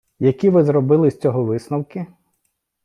Які ви зробили з цього висновки?